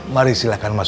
mari silakan masuk